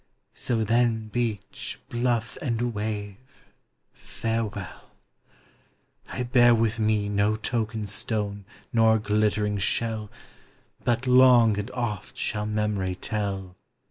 So then, beach, bluff, and wave, farewell ! I bear with me No token stone nor glittering shell, But long and oft shall Memorv tell ief tl Sea.